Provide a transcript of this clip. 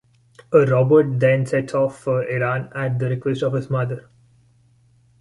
Robert then sets off for Iran at the request of his mother.